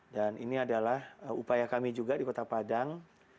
dan ini adalah upaya kami juga di kota padang